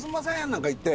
なんか言って。